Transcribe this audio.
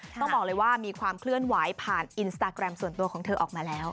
ต้องบอกเลยว่ามีความเคลื่อนไหวผ่านอินสตาแกรมส่วนตัวของเธอออกมาแล้ว